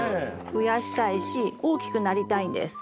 増やしたいし大きくなりたいんです。